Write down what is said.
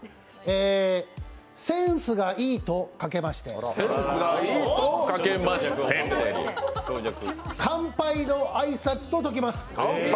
センスがいいとかけまして乾杯の挨拶と解きます。